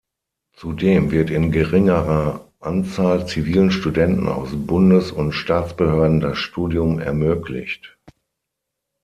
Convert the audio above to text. Zudem wird in geringerer Anzahl zivilen Studenten aus Bundes- und Staatsbehörden das Studium ermöglicht.